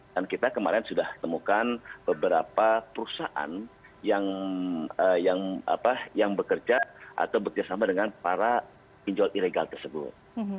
kita kemarin sudah temukan beberapa perusahaan yang bekerja atau bekerjasama dengan para pinjol ilegal tersebut